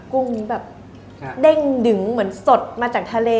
กุ้งนี้แบบเด้งดึงเหมือนสดมาจากทะเล